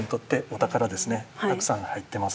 たくさん入ってます。